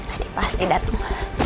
adi pasti datang